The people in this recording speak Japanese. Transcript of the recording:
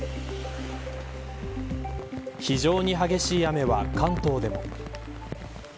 非常に激しい雨は関東でも。